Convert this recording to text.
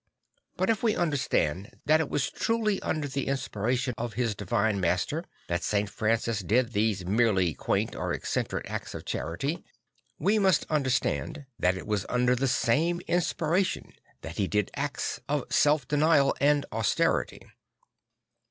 But if we understand that it was truly under the inspiration of his divine laster that St. Francis did these merely quaint or eccentric acts of charity, we must understand that it was under the same inspiration that he did acts of 14 0 St. Francis of Ãssisi self denial and austerity.